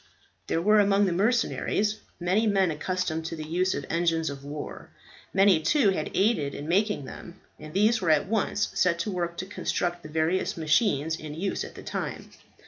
There were among the mercenaries many men accustomed to the use of engines of war. Many, too, had aided in making them; and these were at once set to work to construct the various machines in use at that time.